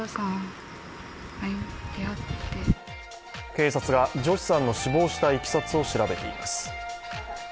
警察がジョシさんの死亡したいきさつを調べています。